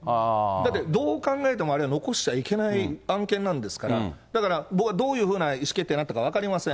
だってどう考えてもあれは残しちゃいけない案件なんですから、だから僕はどういうふうな意思決定になったか分かりません。